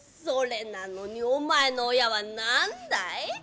それなのにお前の親はなんだい。